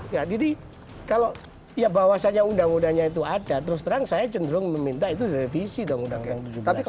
jadi kalau bahwasannya undang undangnya itu ada terus terang saya cenderung meminta itu direvisi dong undang undang tujuh belas